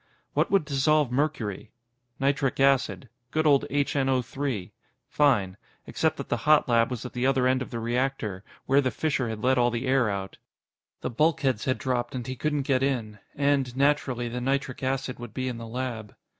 What would dissolve mercury? Nitric acid. Good old HNO. Fine. Except that the hot lab was at the other end of the reactor, where the fissure had let all the air out. The bulkheads had dropped, and he couldn't get in. And, naturally, the nitric acid would be in the lab.